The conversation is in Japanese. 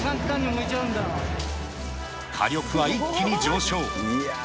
火力は一気に上昇。